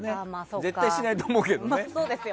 絶対しないと思うけどね。